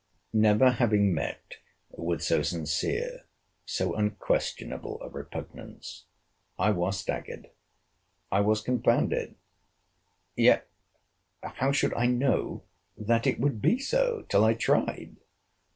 Never having met with so sincere, so unquestionable a repugnance, I was staggered—I was confounded—yet how should I know that it would be so till I tried?